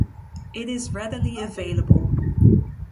It is readily available.